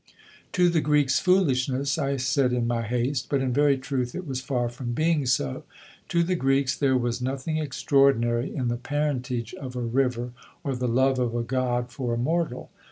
"To the Greeks foolishness," I said in my haste; but in very truth it was far from being so. To the Greeks there was nothing extraordinary in the parentage of a river or the love of a God for a mortal.